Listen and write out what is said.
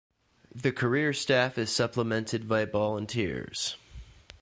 The career staff is supplemented by volunteers.